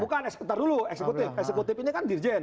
esektar dulu eksekutif ini kan dirjen